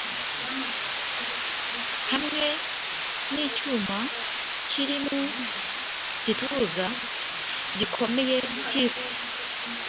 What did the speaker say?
Hamwe nicyuma-ikirimu gituza gikomeye cyisi